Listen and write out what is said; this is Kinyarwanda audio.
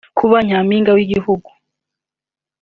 Kuba Nyampinga w’Igihugu